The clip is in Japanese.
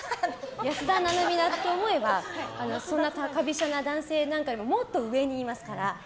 安田成美だと思えばそんな高飛車な男性よりももっと上にいますから。